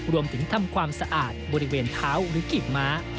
รวมถึงทำความสะอาดบริเวณเท้าหรือกีบม้า